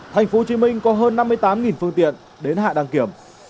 thành phố hồ chí minh có hơn năm mươi tám phương tiện đến hạ đăng kiểm